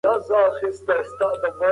ښاري ژوند له ګڼي ګوڼي او بوختياوو ډک دی.